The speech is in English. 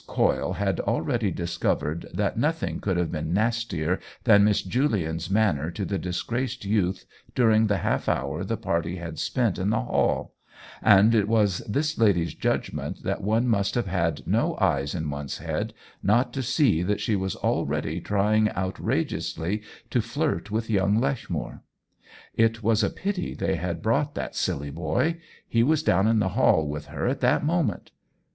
Coyle had already discovered that nothing could have been nastier than Miss Julian's manner to the disgraced youth during the half hour the party had spent in the hall ; and it was this lady's judgment that one must have had no eyes in one's head not to see that she was already trying out rageously to flirt with young Lechmere. It was a pity they had brought that silly boy ; he was down in the hall with her at that moment.